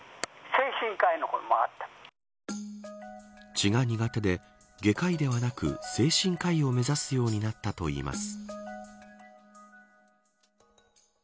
血が苦手で外科医ではなく精神科医を目指すようになったといいます